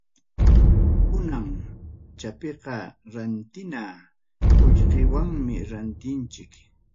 Kunan pachapiqa rantina qullqiwanmi rantinchik.